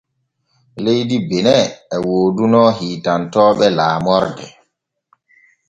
Leydi Benin e wooduno hiitantonooɓe laamorde.